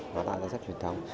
nó đã là rất truyền thống